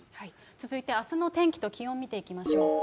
続いてあすの天気と気温見ていきましょう。